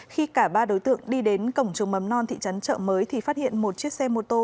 khi cả ba đối tượng đi đến cổng trường mầm non thị trấn trợ mới thì phát hiện một chiếc xe mô tô